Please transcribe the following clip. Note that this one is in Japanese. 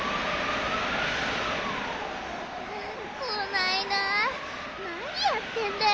こないななにやってんだよ